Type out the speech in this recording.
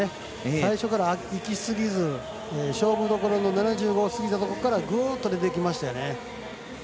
最初から行き過ぎず勝負どころの７５を過ぎたところからグーッと出てきましたよね。